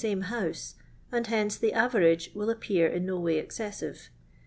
'imc house, and hence the average will appear iu no way excessive.